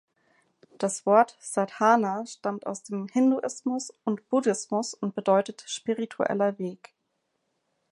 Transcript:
Das Wort "Sadhana" stammt aus dem Hinduismus und Buddhismus und bedeutet "spiritueller Weg".